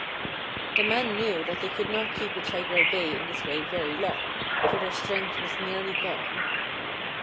"The man knew that they could not keep the tiger at bay in this way very long, for their strength was nearly gone.